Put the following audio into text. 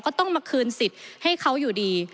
ก็ต้องมาคืนสิทธิ์ให้เขาอยู่ดี